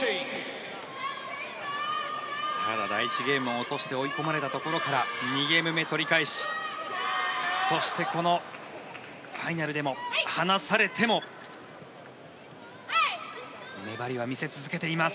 ただ、第１ゲームを追い込まれたところから２ゲーム目、取り返しそして、このファイナルでも離されても粘りは見せ続けています。